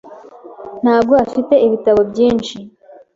Ntabwo afite ibitabo byinshi.